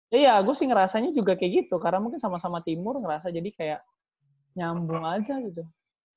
ya ya gue sih ngerasanya juga kayak gitu karena mungkin sama sama timur ngerasa jadi kayak nyambung aja gitu